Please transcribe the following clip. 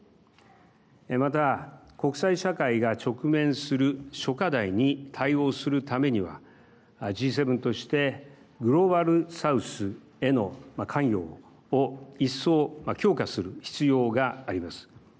また、国際社会が直面する諸課題に対応するためにはＧ７としてグローバルサウスへの関与を一層強化する必要があります。